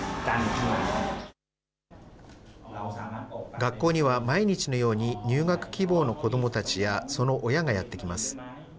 学校には毎日のように入学希望の子どもたちや、その親がやって来ます。